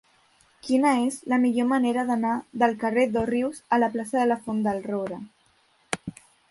Quina és la millor manera d'anar del carrer d'Òrrius a la plaça de la Font del Roure?